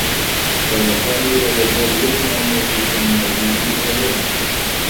كان سامي لا يزال يسمع موسيقى النّادي في آذانه.